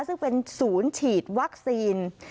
ซึ่งเป็นศูนย์ฉีดวัคซีน